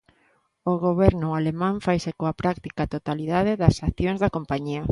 O Goberno alemán faise coa práctica totalidade das accións da compañía.